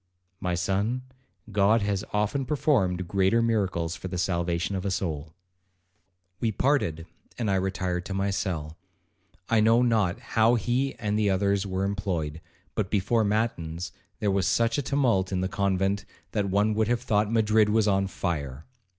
'My son, God has often performed greater miracles for the salvation of a soul.' 'We parted, and I retired to my cell. I know not how he and the others were employed, but, before matins, there was such a tumult in the convent, that one would have thought Madrid was on fire.